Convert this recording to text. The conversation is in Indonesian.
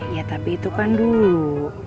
ya tapi itu kan dulu